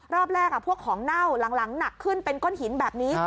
รอบแรกพวกของเน่าหลังหนักขึ้นเป็นก้นหินแบบนี้